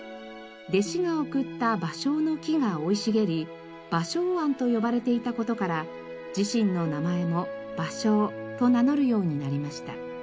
弟子が贈ったバショウの木が生い茂り「芭蕉庵」と呼ばれていた事から自身の名前も「芭蕉」と名乗るようになりました。